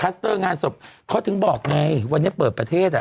สเตอร์งานศพเขาถึงบอกไงวันนี้เปิดประเทศอ่ะ